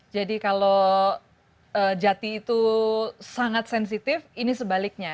kalau jati itu sangat sensitif ini sebaliknya